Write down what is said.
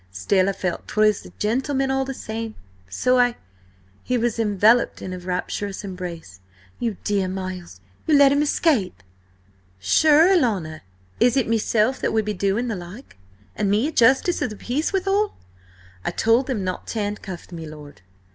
Still, I felt that 'twas a gentleman all the same, so I—" He was enveloped in a rapturous embrace. "You dear Miles! You let him escape?" "Sure, alanna, is it meself that would be doing the like? And me a Justice of the Peace withal? I told them not to handcuff me lord."